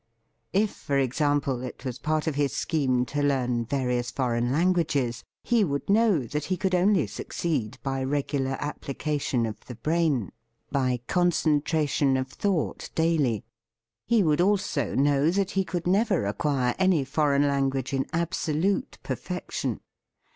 If for example it was part of his scheme to learn various foreign languages, he would know that he could only succeed by regular application of the brain, by concentration of thought daily; he would also know that he could never acquire any foreign language in abso lute perfection.